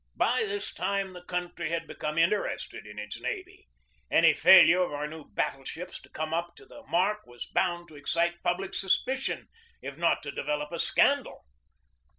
By this time the country had become interested in its navy. Any failure of our new battle ships to come up to the mark was bound to excite public suspicion, if not to develop a scandal.